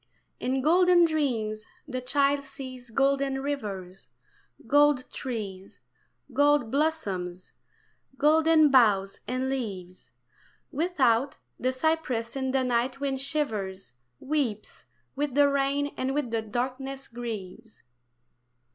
In golden dreams the child sees golden rivers, Gold trees, gold blossoms, golden boughs and leaves, Without, the cypress in the night wind shivers, Weeps with the rain and with the darkness grieves.